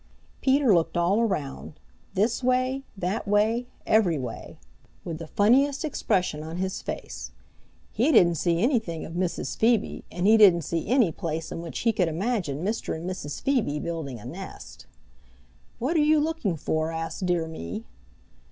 Peter looked all around, this way, that way, every way, with the funniest expression on his face. He didn't see anything of Mrs. Phoebe and he didn't see any place in which he could imagine Mr. and Mrs. Phoebe building a nest. "What are you looking for?" asked Dear Me.